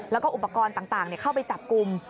แล้วก็อุปกรณ์ต่างเข้าไปจับกลุ่ม